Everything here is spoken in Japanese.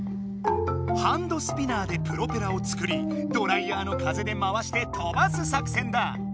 ハンドスピナーでプロペラを作りドライヤーの風で回して飛ばす作戦だ！